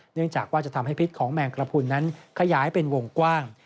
เนื่องจากว่าจะทำให้พิษของแมงกระพุนนั้นขยายเป็นวงกว้าง